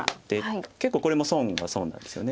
結構これも損は損なんですよね。